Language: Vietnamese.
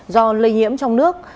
do lây nhiễm trong nước